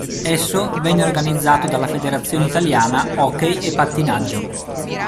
Esso venne organizzato dalla Federazione Italiana Hockey e Pattinaggio.